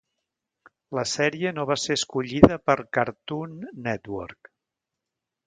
La sèrie no va ser escollida per Cartoon Network.